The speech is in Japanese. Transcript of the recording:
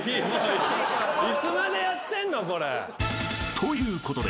［ということで］